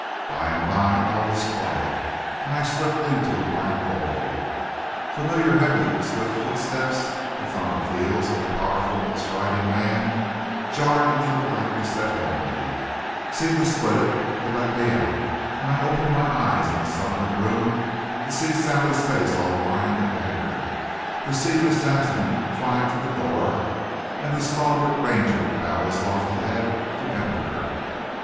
By and by all was quiet, and I slipped into a black void. Familiar heavy swift footsteps, the thump of heels of a powerful and striding man, jarred into the blackness that held me, seemed to split it to let me out; and I opened my eyes in a sunlit room to see Sally's face all lined and haggard, to see Miss Sampson fly to the door, and the stalwart Ranger bow his lofty head to enter.